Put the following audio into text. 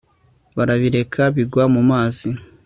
barabireka bigwa mu mazi